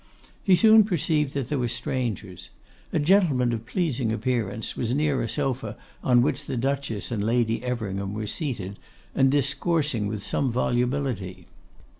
He soon perceived that there were strangers. A gentleman of pleasing appearance was near a sofa on which the Duchess and Lady Everingham were seated, and discoursing with some volubility.